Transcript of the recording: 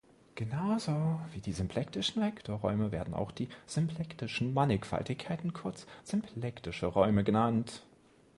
Genauso wie die symplektischen Vektorräume werden auch die symplektischen Mannigfaltigkeiten kurz symplektische Räume genannt.